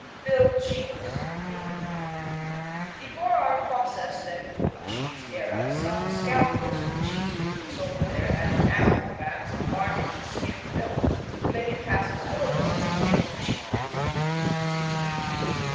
"Filled cheese" England Before our processed and food cheese era some scoundrels in the cheese business over there added animal fats and margarine to skimmed milk to make it pass as whole milk in making cheese.